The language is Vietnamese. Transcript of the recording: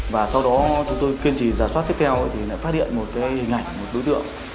và sau đó chúng tôi kiên trì giả soát tiếp theo thì lại phát hiện một hình ảnh một đối tượng